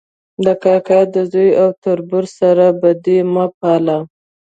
د کاکا د زوی او تربور سره بدي مه پاله